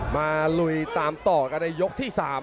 ลุยตามต่อกันในยกที่๓